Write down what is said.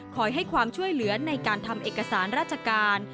ให้ความช่วยเหลือในการทำเอกสารราชการ